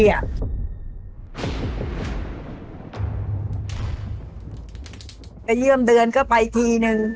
อย่างเยื้อเดือนก็ไปทีหนึ่ง